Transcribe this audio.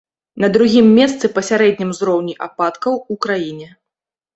На другім месцы па сярэднім узроўні ападкаў у краіне.